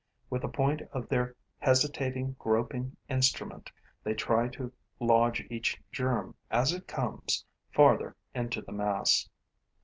With the point of their hesitating, groping instrument, they try to lodge each germ, as it comes, farther into the mass.